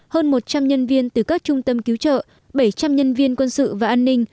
hơn một trăm linh nhân viên từ các trung tâm cứu trợ bảy trăm linh nhân viên quân sự và an ninh